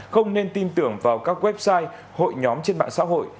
không nên tin tưởng vào các website hội nhóm trên mạng xã hội